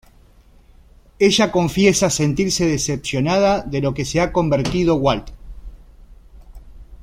Ella confiesa sentirse decepcionada de lo que se ha convertido Walt.